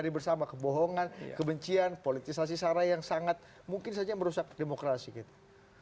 jadi kita harus mencari bersama kebohongan kebencian politisasi sarai yang sangat mungkin saja merusak demokrasi gitu